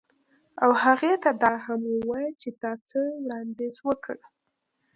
او هغې ته دا هم ووایه چې تا څه وړاندیز وکړ